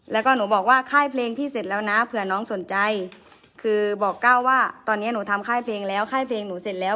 แล้วก็หนูบอกว่าค่ายเพลงพี่เสร็จแล้วนะเผื่อน้องสนใจคือบอกก้าวว่าตอนนี้หนูทำค่ายเพลงแล้วค่ายเพลงหนูเสร็จแล้ว